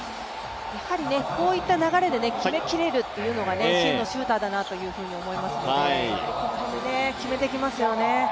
こういった流れで決めきれるというのが真のシューターだと思いますので、この辺で決めてきますよね。